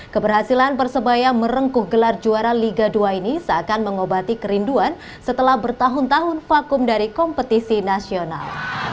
keberhasilan persebaya merengkuh gelar juara liga dua ini seakan mengobati kerinduan setelah bertahun tahun vakum dari kompetisi nasional